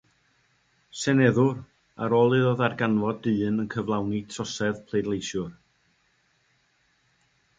Seneddwr, ar ôl iddo ddarganfod dyn yn cyflawni trosedd pleidleisiwr.